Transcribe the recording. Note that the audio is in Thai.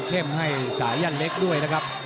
ให้สายันเล็กด้วยนะครับ